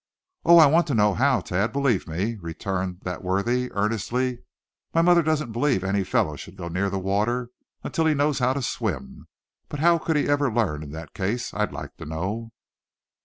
"Oh! I want to know how, Thad, believe me," returned that worthy, earnestly. "My mother doesn't believe any fellow should go near the water until he knows how to swim; but how could he ever learn in that case, I'd like to know?"